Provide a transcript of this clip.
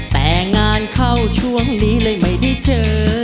แต่งานเข้าช่วงนี้เลยไม่ได้เจอ